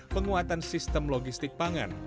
penguatan sistem logistik pangan